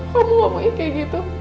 kamu ngapain kayak gitu